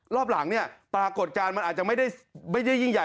รอบหลังเนี่ยปรากฏการณ์มันอาจจะไม่ได้ยิ่งใหญ่